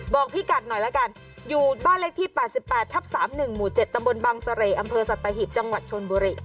บอกพี่กัดหน่อยละกันอยู่บ้านเลขที่๘๘ทับ๓๑หมู่๗ตำบลบังเสร่อำเภอสัตหิบจังหวัดชนบุรี